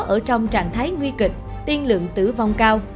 ở trong trạng thái nguy kịch tiên lượng tử vong cao